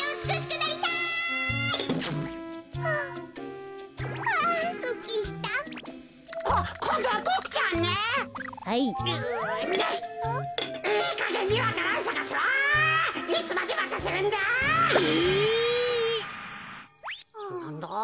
なんだ？